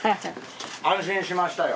安心しましたよ。